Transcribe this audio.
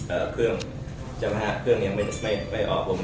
เออเครื่องจำหากเครื่องยังไม่ออก